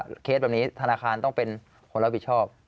เวลาทั้งเคสแบบนี้ทธนาคารต้องเป็นคนรับผิดชอบ